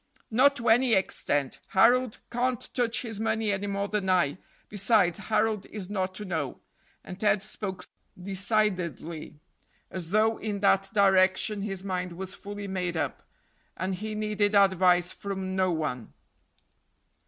"Not to any extent. Harold can't touch his money any more than I; besides, Harold is not to know," and Ted spoke decidedly, as though in that direction his mind was fully made up, and he needed advice from no one.